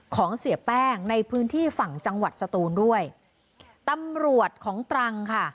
เสียแป้งในพื้นที่ฝั่งจังหวัดสตูนด้วยตำรวจของตรังค่ะ